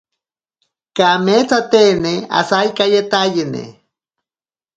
Kameetatene asaikajeetaiyene.